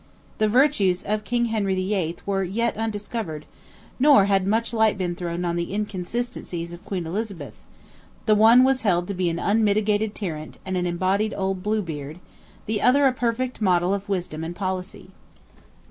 The virtues of King Henry VIII. were yet undiscovered, nor had much light been thrown on the inconsistencies of Queen Elizabeth; the one was held to be an unmitigated tyrant, and an embodied Blue Beard; the other a perfect model of wisdom and policy.